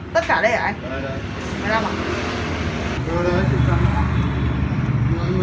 tất cả đây à anh